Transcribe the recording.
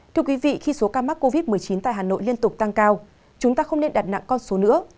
thưa quý vị khi số ca mắc covid một mươi chín tại hà nội liên tục tăng cao chúng ta không nên đặt nặng con số nữa